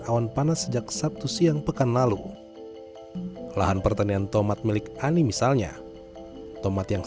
awan panas sejak sabtu siang pekan lalu lahan pertanian tomat milik ani misalnya tomat yang